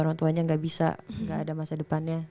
orang tuanya gak bisa gak ada masa depannya